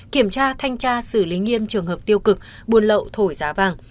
kiểm tra thanh tra xử lý nghiêm trường hợp tiêu cực buôn lậu thổi giá vàng